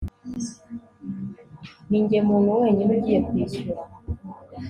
ninjye muntu wenyine ugiye kwishyura